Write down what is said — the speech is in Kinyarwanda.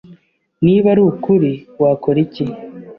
Niba ari ukuri, wakora iki?